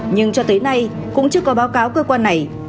nhưng cho tới nay cũng chưa có báo cáo cơ quan này